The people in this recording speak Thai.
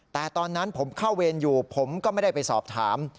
แต่ตอนนั้นผมเข้าเวรอยู่ผมก็ไม่ได้ไปสอบถาม